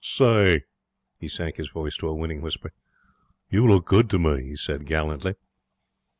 'Say!' He sank his voice to a winning whisper. 'You look good to muh,' he said, gallantly.